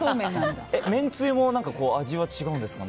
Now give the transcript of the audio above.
めんつゆも味は違うんですかね。